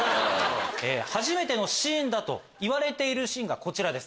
初めての「シン」といわれているシーンがこちらです。